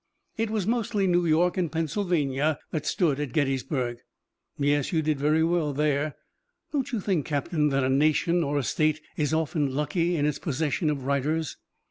'" "It was mostly New York and Pennsylvania that stood at Gettysburg." "Yes, you did very well there." "Don't you think, Captain, that a nation or a state is often lucky in its possession of writers?"